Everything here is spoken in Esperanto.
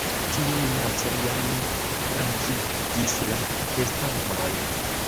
Tiu minaco ja ne kuraĝigis la atestanton.